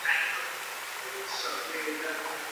که ته په کمپیوټر کي پروګرام نه لري نو ایډیټ نه سې کولای.